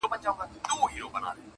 • هغه د پېښې حقيقت غواړي ډېر,